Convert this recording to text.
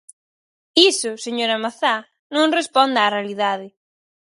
Iso, señora Mazá, non responde á realidade.